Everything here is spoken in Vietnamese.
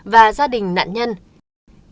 và gia đình của bà bé